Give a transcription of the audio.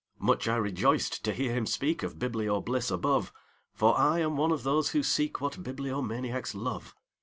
Much I rejoiced to hear him speakOf biblio bliss above, For I am one of those who seekWhat bibliomaniacs love.